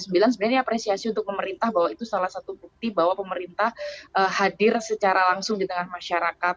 sebenarnya apresiasi untuk pemerintah bahwa itu salah satu bukti bahwa pemerintah hadir secara langsung di tengah masyarakat